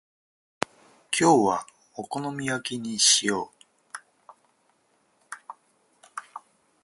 今日はお好み焼きにしよう。